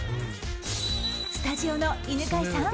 スタジオの犬飼さん。